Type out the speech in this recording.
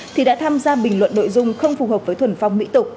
thì đã tham gia bình luận nội dung không phù hợp với thuần phong mỹ tục